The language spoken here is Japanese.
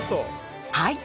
はい。